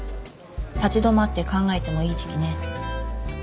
立ち止まって考えてもいい時期ね。